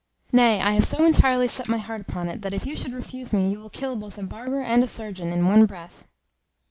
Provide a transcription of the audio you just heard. Nay, I have so entirely set my heart upon it, that if you should refuse me, you will kill both a barber and a surgeon in one breath."